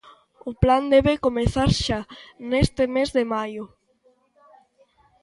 O plan debe comezar xa, neste mes de maio.